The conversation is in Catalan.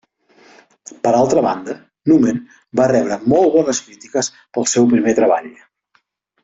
Per altra banda, Numen va rebre molt bones crítiques pel seu primer treball.